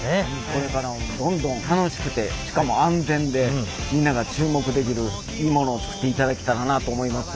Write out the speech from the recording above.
これからもどんどん楽しくてしかも安全でみんなが注目できるいいものを作っていただけたらなと思います。